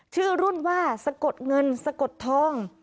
ชื่อรุ่นว่าสะกดเงินสะกดทอง